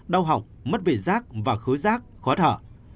đau hỏng mất vị giác và khứ giác khó thở